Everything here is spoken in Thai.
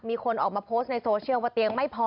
มีคนออกมาโพสต์ในโซเชียลว่าเตียงไม่พอ